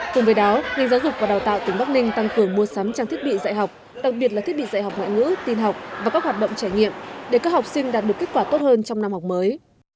cùng với đó ngành giáo dục và đào tạo tỉnh bắc ninh tăng cường mua sắm trang thiết bị dạy học đặc biệt là thiết bị dạy học ngoại ngữ tin học và các hoạt động trải nghiệm để các học sinh đạt được kết quả tốt hơn trong năm học mới